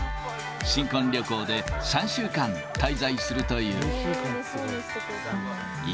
新婚旅行で３週間滞在するという。